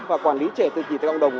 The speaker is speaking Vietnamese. và quản lý trẻ tự kỷ trong cộng đồng